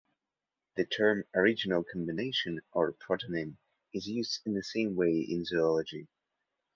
The term original combination or protonym is used in the same way in zoology.